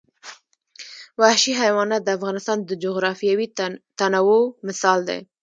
وحشي حیوانات د افغانستان د جغرافیوي تنوع مثال دی.